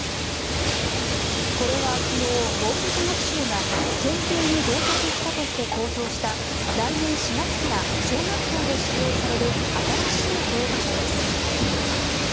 これは昨日、文部科学省が検定に合格したとして公表した来年４月から小学校で使用される新しい教科書です。